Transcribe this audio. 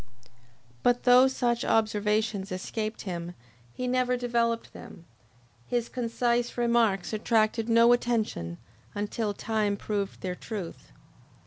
But though such observations escaped him, he never developed them. His concise remarks attracted no attention until time proved their truth.